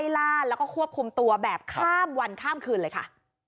ล่าแล้วก็ควบคุมตัวแบบข้ามวันข้ามคืนเลยค่ะ